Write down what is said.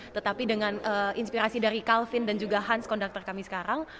tetapi dengan inspirasi dari kalvin dan juga hans conductor kami sekarang